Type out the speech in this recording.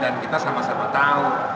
dan kita sama sama tahu